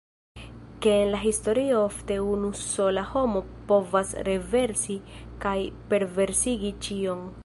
Ke en la historio ofte unu sola homo povas renversi kaj perversigi ĉion.